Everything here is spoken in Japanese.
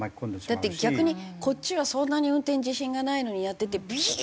だって逆にこっちはそんなに運転に自信がないのにやっててビュー！